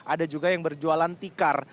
ada juga yang berjualan tikar